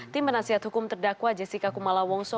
tim penasihat hukum terdakwa jessica kumala wongso